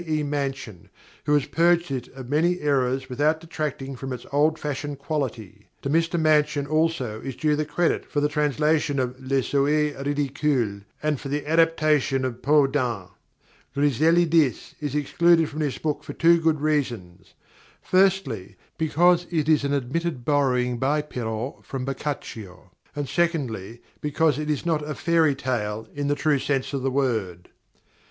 E. Mansion, who has purged it of many errors without detracting from its old fashioned quality. To Mr Mansion also is due the credit for the translation of the "Les Souhaits Ridicules" and for the adaptation of "Peau d'Asne." "Griselidis" is excluded from this book for two good reasons; firstly, because it is an admitted borrowing by Perrault from Boccaccio; secondly, because it is not a 'fairy' tale in the true sense of the word.